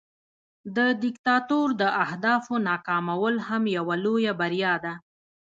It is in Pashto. د دیکتاتور د اهدافو ناکامول هم یوه لویه بریا ده.